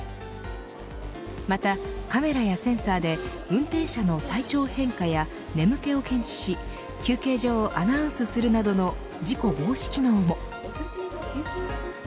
またカメラやセンサーで運転者の体調変化や眠気を検知し休憩所をアナウンスするなどの事故防止機能も。